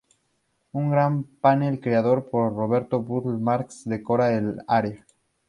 Un gran panel creado por Roberto Burle Marx decora el área.